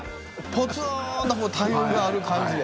ぽつんと大木がある感じで。